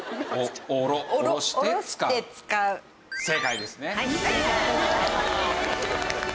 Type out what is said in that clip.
正解ですね。